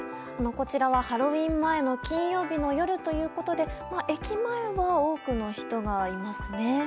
こちらはハロウィーン前の金曜日の夜ということで駅前は多くの人がいますね。